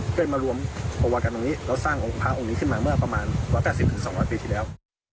ก็เลยมารวมตัวกันตรงนี้แล้วสร้างองค์พระองค์นี้ขึ้นมาเมื่อประมาณ๑๘๐๒๐๐ปีที่แล้ว